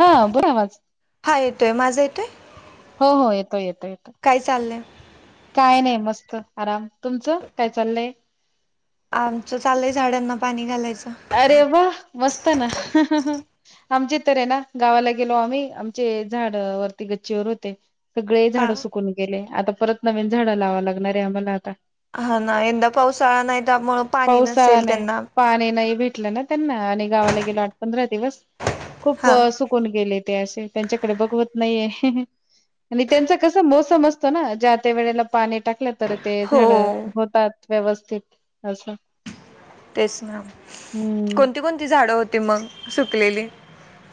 हा बोला आवाज हा येतोय, माझा येतोय. हो हो येतो येतो येतो काय चाललंय काय नाही मस्त आराम तुमचं काय चाललंय. आमचं चाललंय झाडांना पाणी घालायचं. अरे वा मस्त ना आमचे तरे ना गावाला गेलो आम्ही आमचे झाड वरती गच्चीव र होते सगळे झाड हा सुकून गेले, आता परत नवीन झाडं लावा लागणारे आम्हाला आता. हा ना यंदा पावसाळा नाही त्यामुळे पाणी नसेल त्यांना. लं ना त्यांना आणि गावाला गेलो, आठ पंधरा दिवस. खूप हा सुकून गेले ते असे त्यांच्याकडे बघवत नाहीये. आणि त्यांचा कस मोसम असतो ना ज्या त्या वेळेला पाणी टाकलं तर ते झाड हो होतात व्यवस्थित असं. तेच ना, हम्म कोणती कोणती झाडं होती मग सुकलेली.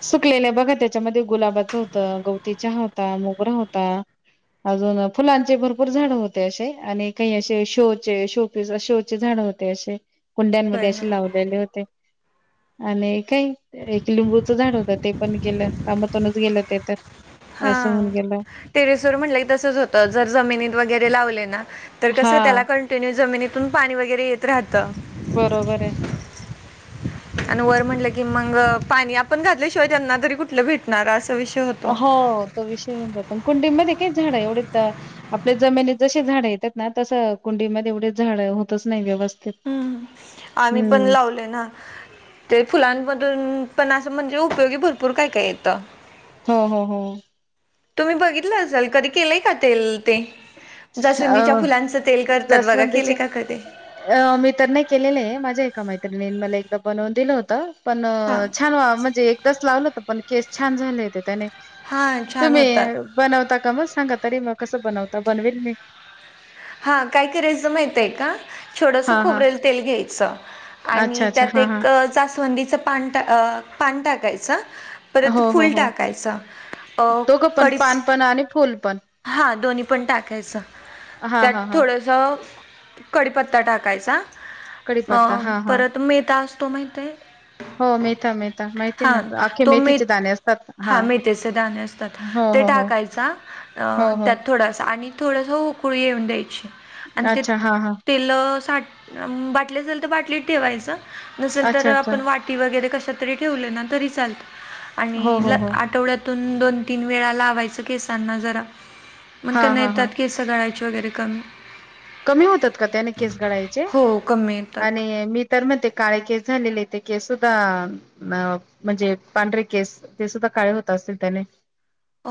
सुकलेल्या बघा त्याच्यामध्ये गुलाबाचं होतं, गवती चहा होता मोगरा होता, अजून फुलांचे भरपूर झाड होते असे आणि काही असे शोचे शो पीस शोचे झाड होते असे. होय कुंड्यांमध्ये असे ना लावलेले होते आणि काही एक लिंबू झाड होतं ते पण केलं कामातूनच गेलं ते तर. हा असं होऊन गेलं टेरेसवर म्हटलं तसच होत जर जमिनीत वगैरे लावले ना तर हा कसं त्याला कंटिन्यू जमिनीतून पाणी वगैरे येत राहत. बरोबर आहे. आणि वर म्हटलं की मग पाणी आपण घातल्याशिवाय त्यांना तरी कुठलं भेटणार अस. हो तो विषय [unintelligible] कुंडीमध्ये काही झाड एवढे आपल्या जमिनीत जसे झाडं येतात ना तसं कुंडीमध्ये एवढे झाड होतच नाही व्यवस्थित. हम्म आम्ही पण हम्म. लावले ना ते फुलांमधून पण असं म्हणजे उपयोगी भरपूर काय काय येतं. हा हा हम्. तुम्ही बघितलं असाल कधी केलंय का तेल ते. जसुंगीच्या अ फुलांचं तेल करतात बघा केले जास्वंदीचे का कधी? अ मी तर नाही केलेले आहे माझ्या एका म नन मला एकदा बनवून दिलं होत पण हा छान म्हणजे एकदाच लावलं होत पण छान झाले त्याने, हा छान तुम्ही होतात. बनवता का मग सांगा तरी मग कस बनवता. बनवेल मी. हा काय करायचं माहिताय का. छोडंसं हां, हां. खोबरेल तेल घ्यायचं अच्छा, आणि अच्छा. त्यात हां, हां. एक जाासवंदीचं पान टा अ पान टाकायचा परत फुल टाकायचा तोघं पण पान पण आणि फुल पण. हा दोन्ही पण टाकायचं हां, त्यात हां, हां. थोडस कडीपत्ता टाकायचा अ कडीपत्ता हा हा परत मेता असतो माहित आहे. हो मेता मे हा तो म हा मेथीचे दाणे असतात हो ते हो हो टाकायचा हो हो त्यात थोडासा आणि थोडस उकळी येऊन द्यायची आणि ते अच्छा हा हा तेल बाटली असेल तर बाटलीत ठेवायच नसेल तर अच्छा अच्छा आपण वाटी वगैरे कशतरी ठेवलं ना तरी चालत हो आणि हो हो आठवड्यात दोन तीन वेळा लावायच केसांना जराग म हा त्यान हा हा केस गळा वगैरे कमी कमी होतात का त्याने केस घडयचे हो कमी येतात आणि मी तर मग ते काळे केस झालेले ते केस सुद्धा म्हणजे पांढरे केस ते सुद्धा काळे होतात. असल त्याने.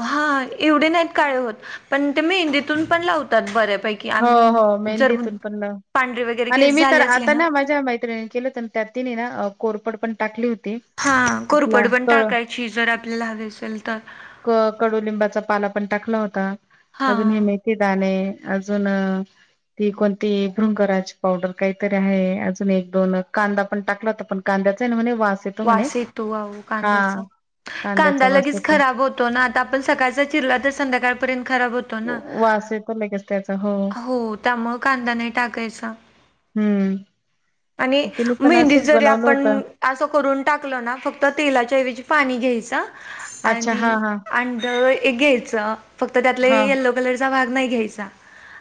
हा एवढे नाहीत काळे होत पण ते मी हिंदीतून पण लावतात बरे हो हो मेहंदीतून पण. पांढरे वगैरे आणि केस मी तर झाले असले आता ना माझ्या मैत्रिणी केलं तर त्या तिने ना कोरपड पण टाकली होती हा आपला कोरपड पण कळ टाकायची जर आपल्याला हवी असेल तर. क कडुलिंबाचा पाला पण टाकला होता हा अजून हे मेथीदाणे अजून ती कोणती भृंगराची पावडर काहीतरी आहे अजून एक दोन कांदा पण टाकला तर पण कांदा [unintelligible] वास येतोह कांद्याचा कांदा कांद्याचा वास लगेच येतो खराब होत. आता आपण सकाळचा चिरला तर संध्याकाळपर्यंत खब होत ना वास येतो लगेच त्याचा हो त्यामुळे कांदा नाही टाकायचा. हम्म. आणि तिने पण मेंद असंच जरी बनवलं होतं आपण अस करून टाकल ना फक्त तेलाच्याऐवजी पाणी घ्यायच अच्छा हा आणि हा अंध एक घ्यायच फक्त त्यातले हा यलो कलरचा भाग नाही घ्यायचा.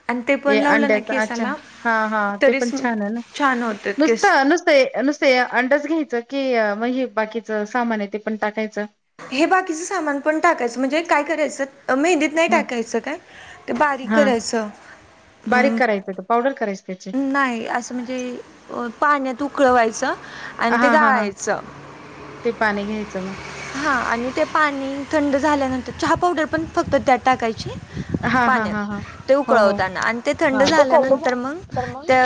आणि ते ये पण लावलं ना अंड्याचा अच्छा केसाला हा हा ते तरी पण छान आहे ना छान होतात केस नुसतं नुसतं नुसते अंडच घ्यायचं की मग बाकीच सामान आहे ते पण टाकायचं. हे बाकीचं सामान पण टाकायचं म्हणजे काय करायचं. मेहंदीत नाही हा टाकायचं काय ते बारीक हा करायचं बारीक करायचं ते पावडर करायच त्याचे नाही असं म्हणजे पाण्यात उकळवायचं हा आणि ते हा हा गाळायचं ते पाणी. घ्यायचं मग हा आणि ते पाणी थंड झाल्यानंतर चहा पावडर पण फक्त त्यात टाकायची हा हा हा पाण्यात हा. ते हो हो उकळवताना आणि ते हा थंड झाल्यानंतर मग त्या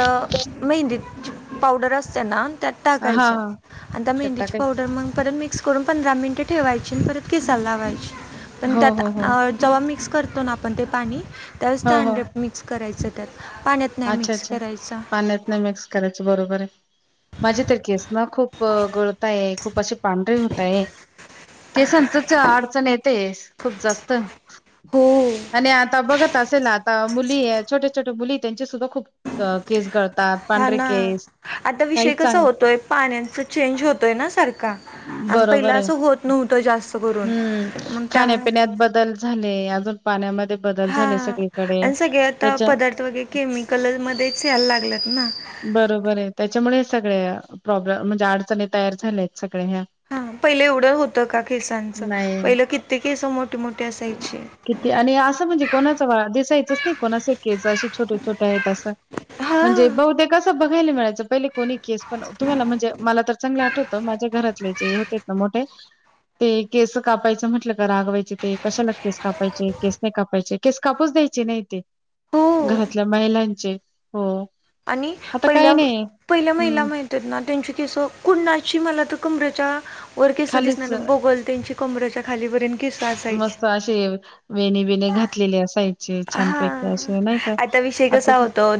मेहंदीत पावडर असते ना त्यात हा टाकायचं हा आणि त्या त्यात मेहंदीची टाकायचं पावडर मग परत मिक्स करून. पंधरा मिनटं ठेवायची परत केसाला लावायची पण हो त्यात हो हो जेव्हा मिक्स कर आपण ते पाणी त्याच हो त्या हो मिक्स करायचं. त्यात पाण्यात नाही अच्छा मिक्स अच्छा करायचं पाण्याच नाही मिक्स करायचं बरोबर आहे. माझे तर केस ना खूप गळताय. खूप अशी पांढरे होतय केसांचच अडचण येते खूप जास्त हो आणि आता बघत असेल आता मुली छोटे छोटे मुली त्यांचे सुद्धा खूप केस गळ हा ना आता विषय कसा चांग होतोय पाण्याचा चेंज होतोय ना सारखा आम पहिला बरोबर आहे असं होत नव्हतं जास्त करून हम्म मग त्यामु खाण्यापिण्यात बदल झाले अजून पाण्यामध्ये बदल हा झाले सगळीकडे आणि सगळे आता त्याच्या पदार्थ वगैरे केमिकल मध्येच यायला लागलेत ना बरोबर आहे त्याच्यामुळे सगळे प्रॉब्लेम म्हणजे अडचणी तयार झाल्या आहेत सग हा पहिले एवढं होत का केसांचं नाही पहिलं कितती केस मोठे मोठे असायची किती आणि असं म्हणजे कोणाच दिवसायचच नाही कोणा केस अशी छोटे छोट्या आहेत असं हा म्हणजे बह ते कसं बघायला मिळायचं पहिले कोणी पण तुम्हाला म्हणजे मला तर चांगलं आठवतं माझ्या घरात हो ना मोठे ते केस कायच म्हटलं का रागवायचे ते कशाला के कायचे केस नाही कापायचे केस कापूच द्यायचे नाही ते हो घरातल्या महिलां हो. आणि आता काही पहिल्या नाही पहिल्या महिला हम्म माहती ना त्यांची केस कुणाची मला तर कुमरेच्या वर केिस खालीच दिसणार बगल त्यांची कमर्याच्या खालीवरन केिस असायचे मस्त असे वेणी घातलेले अस यचे छानपैकी असे नाही का आता विषय आता कसा होतो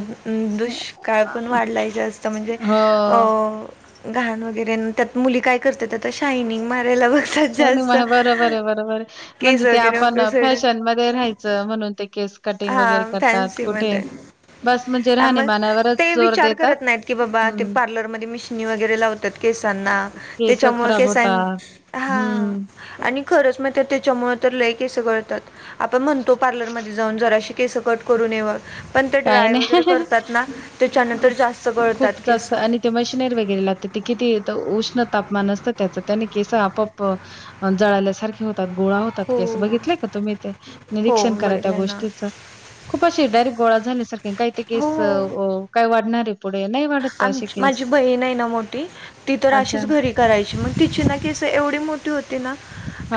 दुष्काळ पण वाढलाय म्हणजे हो अ घण व त्यात मुली काय करतेात आता शयनिंग मारायला बर नी म बरोबर आहे. बरोबर म्हणजे केस ते वगैरे आपण उकळी सोडून फॅशन मध्ये राहायचं म्हणून ते केस कटिंग हा वगैरे करतात फॅन्सी कुठे मध्ये बस म्हणजे मग राहणीमानावरच ते जोर विचार देतात करत नाहीत की बाबा ते हम्म पार्लरमध्ये मिशिनी वगैरे लावतात. अ, केसांना केस त्याच्या मुळे खराब होतात हम्म. खरंच म त्याच्यामुळे तर लयके अस कळतात आपण म्हणतो पार्लरमध्ये जरा केस कट करून पण ते काय ड्राय वगैरे नाही करतात ना त्याच्यानंतर खूप जास्त खूप गळतात केस जास्त आणि ते मशिनरी वगैरे लागते किती उष् तापमान असत त्याच त्याने केस आपप जळाल्यासारखे गोळा होतात हो. की अस बघितलं का तुम्ही ते हो निरीक्षण करा त्या बघितलं ना गोष्टीच खूप असे डायरेक्ट गोळा झाल्या सारखे काही ते केस काय वाढणारे पुढ आ माझी बहीण नाही ना मोठी ती तर अच्छा. अशीच घरी करायची मग तिची ना किस एवढी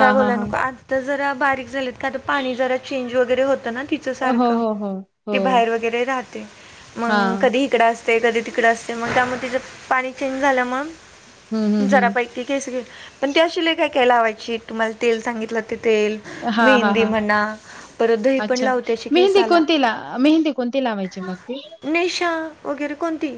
का हां, हां. ब आ बारीक झात का पाणी जरा चेंज वगैरे होत ना तिच हो, हो, सारखं हो, ते हो. बाहेर वगैरे राह मग हां. कधी इकडं असते कधी तिकड असते मग त्यामुळे तिचं पाणी चेंज हं, झाल्यामुळे हं, हं. जरापैकी केस घे पण ते अशिले काय कायला हवायची तुम्हाला तेल सांगितलं तेल हां, हां, मींद हां. म्हना परत दही पण अच्छा. लाव त्या्याचे केस मेहंदी आला कोणती ला मेहंदी कोणती लावायची मग ती? निशा वगैरे कोणती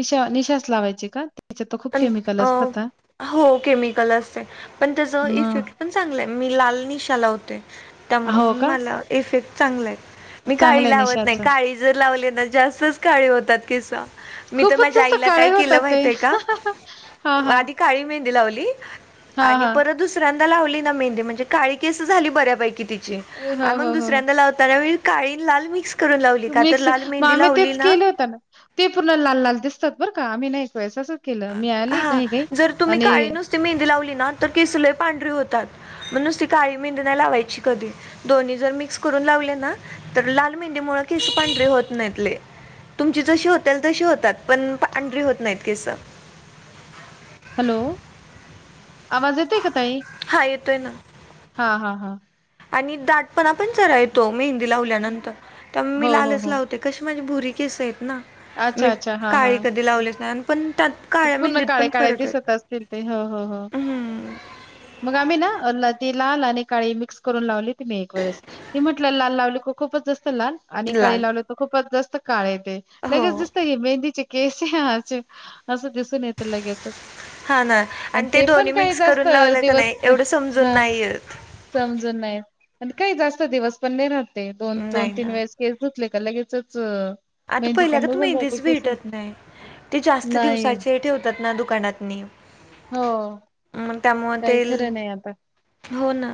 निशा निशाास लावायची का त्याच्यात तर खूप पण केमिकल अ असतात ह हो केमिकल असते पण त्याच इफेक्ट मग पण चांगलंय मी लाल निशा लावते त्यामुळे हो का? मला इफेक्ट चांगला आहे मी काळी चांगलंय लावत नाही निशाचं. काळी जर लावली ना जास्तच काळी होतात किस मी तर खूपच माझ्या असं आईला काय काळे केलं होतात ते. माहितय का हां, हां. आधी काळी मेहंदी लावली हां, आणि हां. परत दुसऱ्या लावली ना मेंदे म्हणजे काळी केस झाली बऱ्यापैकी ति हो, मग हो, हो, हो. दुसऱ्या लावताना काळी लाल मिक्स करून लावली का तर मिक्स लाल मग मेहंदी आम्ही लावली तेच केले होत ना ते पूर्ण लाल लाल दिसतात बर का आम् नाही कैस हा जर तुम्ही काळी नुसती मेहंदी लावली ना पतातण का कधी तर लाल मेहंदी मु खिस पांढरी होत नाहीतले तुमची जशी होते तशी होतात पण पांढरी होत नाहीत केस हॅलो आवाज येते का तई हा येतोय ना हा हा आणि दाटपणा पण चरा येतो मेहंदी लावल्यानंतर त्या हो, मी हो, लालच हो. लावते कशी माझी भुरी की ना मी अच्छा, अच्छा. हां, काळी हां. कधी लावलीच नाही पण त्यात काळ्या पूर्ण मेहंद्यात पण काळे-काळे फरक आहे दिसत असतील हम्म मुगाम ना अल् ते लाल आणि काळी मिक्स करून लावली ती मी एक वेळेस ती म्हटलं लाल लावली खूपच आणि काळी लाल लावल तर खूपच जास्त काळ येत लगेच हो दिस मेंदी केसे असं दिसून येते लगेच हा ना आणि ते पण दोन्ही काही मिक्स जास्त करून लावलं का दिवस नाही एवढं समजून हा नाही येत. समजून नाहीय काही जास्त दिवस पण नाही राहते दोन दोन नाही तीन ना वेळेस केस ुतले का लगेचच आता मेहंदी पहिल्या पण का निघून जाते मेहंदीच केस भेटत नाही ते जास्त दिवसा नाही ठेवतात ना दुकानात हो काही खरं नाही आता हो ना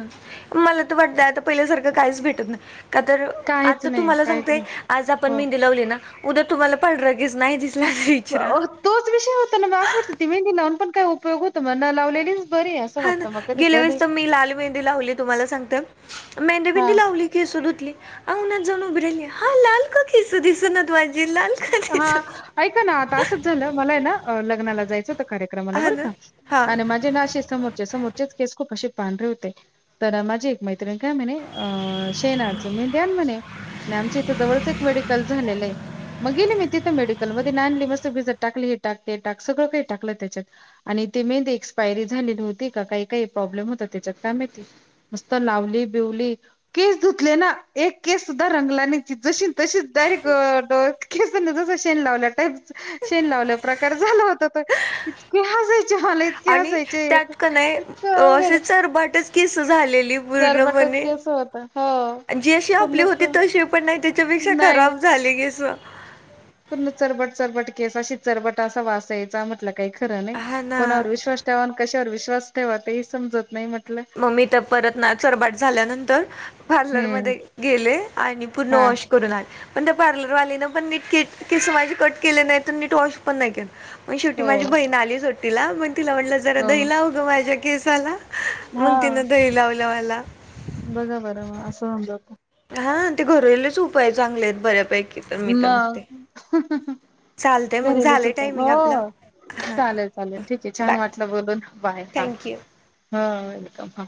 मला तर वाटतय पहिल्यासारखं काहीच भेटत नाही का तर काहीच आता नाही तुमला काहीच सांगते नाही आज आपण हो. मेंद लावले ना उद्या तुम्हाला पण रगेच नाही तर विचरा. तोच विषय होता ना मग असं वाटतं ती मेहंदी लावून पण काय उपयोग होतो म लावलेली हा ना गेल्या वेळेस तर मी लाल मेहंदी लावली तुम्हाला सांगते हा मेंदेबिंंदी लावली खिसोधुतली अहन जाऊन उभ राहिल हा लाल ककीस दिस ना हा ऐका ना आता असंच झालं मला आहे ना लग्नाला जायचं कार्र ब हां ना, हां माे ना समोर सो खू असे पांढर होते तर माझी एक मैत्रिण काय म्हणे अ शेनाज मी द्याल म्हणे नाही आमच्या इथं जवळच एक मेडिकल झालेलंय. मग गेली मी तिथे मेडिकल मध्ये आणली मस्त भिजत टाकली हे टाक ते टाक सगळं काही टाकलं तेच्यात आणि तुम्ही उद्या एक्सपायरी झालेली होते काय काय प्रॉब्लेम होता तेजात काय माहिती नुसत लावली बिवली ली किस धुतले ना, एक केस सुद्धा रंगला नाइ ती जशी तशीच डायरेक्ट अं त केसांना जसं शेण लावल्या टाइप शेन लावल्या प्रकार झाला होता तर इतके हसायचे मला इतके हसायचे अं अवघड असे चरबात केस झालेली पूर्ण चरबटच पणे केस होत हो जी अशी आपली पूर्णच होती तशी पण नाइ तेच्यापेक्षा नाही खराब झाल झाली केस. पूर्ण चरबट चरबट केस चरबट असा वास यायचा म्हटलं काही खर नाही हां ना. कोणावर विश्वास ठेवा, कशावर विश्वास ठेवा ते समजत नाइ म्हट म मी तर परत ना चरबाट झाल्यानंतर हम्म पार्लरमध्ये गेले आणि पूर्ण हा वॉश करून आले, पण त्या पार्लर वालीन पण नीट कित केस माझी कट केले नाइत नीट वॉश पण नाइ केल. म शेवटी हो माझी बहीण आली सुट्टीला मण तिला म्हटलं जरा हो दही लाव गं माझ्या केसाला हा म तिनं दही लावल मला. बघा बरं मग असं होऊन जात हा ते घरलेच उपाय चांगलेत बऱ्यापैकी तर मी म. तर म्हणते. चालतंय मग घरलेच झालंय उपाय टायमिंग हो आपलं हां चालेल चालेल ठीक आहे छान बाय वाटलं बोलूनं बाय हा थँक्यू. हो वेलकम हा.